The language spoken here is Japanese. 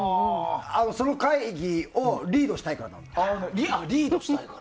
その会議をリードしたいからだって。